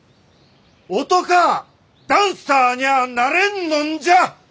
男あダンサーにゃあなれんのんじゃ！